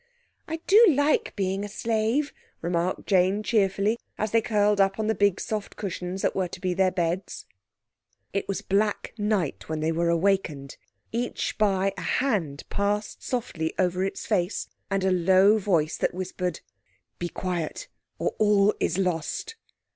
"I do like being a slave," remarked Jane cheerfully, as they curled up on the big, soft cushions that were to be their beds. It was black night when they were awakened, each by a hand passed softly over its face, and a low voice that whispered— "Be quiet, or all is lost."